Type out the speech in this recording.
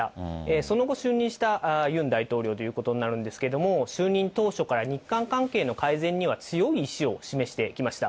その後就任したユン大統領ということになるんですけれども、就任当初から日韓関係の改善には強い意志を示してきました。